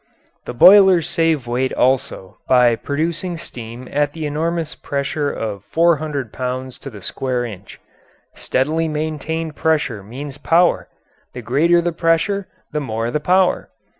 The boilers save weight also by producing steam at the enormous pressure of 400 pounds to the square inch. Steadily maintained pressure means power; the greater the pressure the more the power.